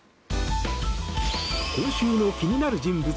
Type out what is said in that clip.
今週の気になる人物